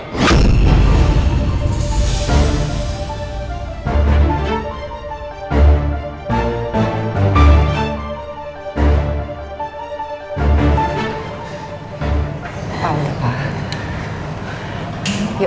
sampai jumpa di video selanjutnya